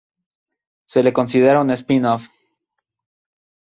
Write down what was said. Se le considera un spin-off.